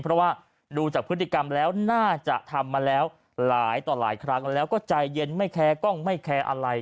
เพราะว่าดูจากพฤติกรรมแล้วน่าจะทำมาแล้วหลายต่อหลายครั้งแล้วก็ใจเย็นไม่แคร์กล้องไม่แคร์อะไร